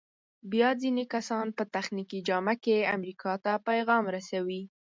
بیا ځینې کسان په تخنیکي جامه کې امریکا ته پیغام رسوي.